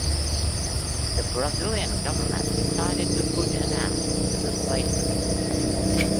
The Brazilian government decided to put an end to the slave trade.